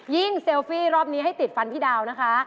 เซลฟี่รอบนี้ให้ติดฟันพี่ดาวนะคะ